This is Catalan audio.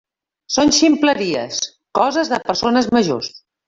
Són ximpleries, coses de persones majors.